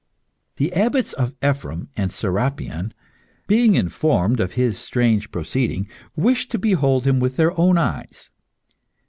The abbots Ephrem and Serapion, being informed of his strange proceeding, wished to behold him with their own eyes.